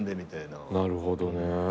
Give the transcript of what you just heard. なるほどね。